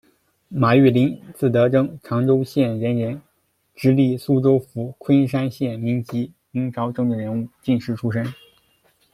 马玉麟，字德征，长洲县人人，直隶苏州府昆山县民籍，明朝政治人物、进士出身。